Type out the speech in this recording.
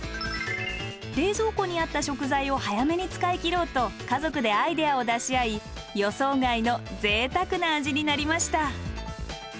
冷蔵庫にあった食材を早めに使い切ろうと家族でアイデアを出し合い予想外のぜいたくな味になりました。